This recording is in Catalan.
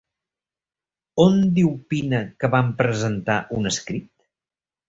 On diu Pina que van presentar un escrit?